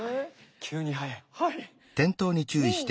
急に速い。